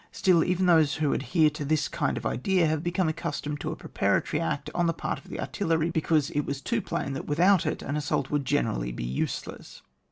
StUl even those who adhere to this kind of idea have become accustomed to a preparatory act on the part of the artillery, because it was too plain that without it an assault would generally be useless.